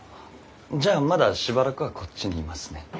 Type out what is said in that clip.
じゃあまだしばらくはこっちにいますね。